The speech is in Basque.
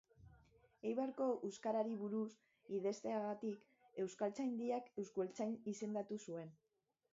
Eibarko euskarari buruz idazteagatik Euskaltzaindiak euskaltzain izendatu zuen.